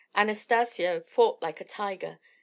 Anastacio fought like a tiger.